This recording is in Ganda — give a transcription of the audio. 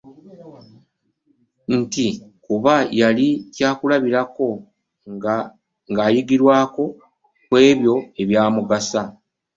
Nti kuba yali kya kulabirako ng'ayigirwako ku ebyo ebyamussa.